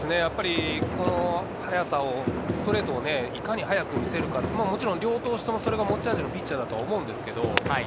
この速さをストレートをいかに速く見せるか、両投手ともそれが持ち味のピッチャーだと思うんですけれど。